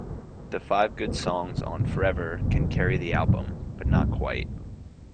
The five good songs on "Forever" can carry the album but not quite.